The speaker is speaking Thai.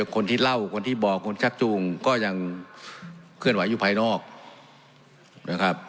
คนที่เล่าคนที่บอกคนชักจูงก็ยังเคลื่อนไหวอยู่ภายนอกนะครับ